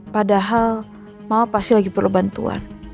padahal mama pasti lagi perlu bantuan